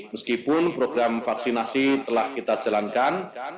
meskipun program vaksinasi telah kita jalankan